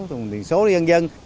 đồng tiền số của dân dân